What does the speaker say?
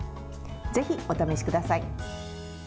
ぜひ、お試しください。